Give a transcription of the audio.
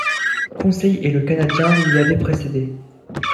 Conseil et le Canadien m’y avaient précédé.